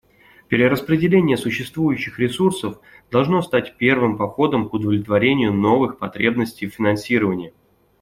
Перераспределение существующих ресурсов должно стать первым походом к удовлетворению новых потребностей в финансировании.